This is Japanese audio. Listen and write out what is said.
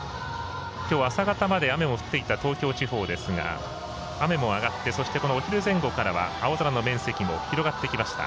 きょう朝方まで雨が降っていた東京地方ですが雨もやんでそして、お昼前後からは青空の面積も広がってきました。